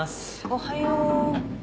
おはよう。